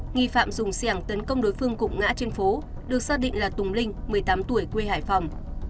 nghi phạm dùng xẻng tấn công đối phương cụng ngã trên phố được xác định là tùng linh một mươi tám tuổi quê hải phòng